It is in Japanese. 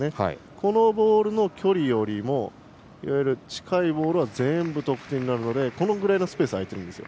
このボールの距離よりも近いボールは全部得点になるのでスペースが空いているんですよ。